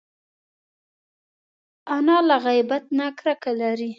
انا له غیبت نه کرکه لري